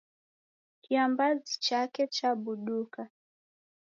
Kiambazi chake chabuduka.